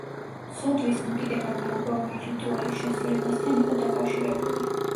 ცოდვის მოკიდება გარკვეული რიტუალის შესრულებასთან იყო დაკავშირებული.